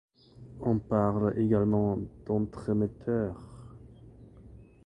On parle également d'entremetteur.